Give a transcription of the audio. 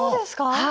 はい。